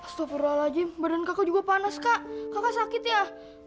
astagfirullahaladzim badan kakak juga panas kak kakak sakit ya